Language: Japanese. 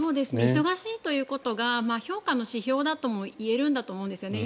忙しいということが評価の指標だともいえると思うんですね。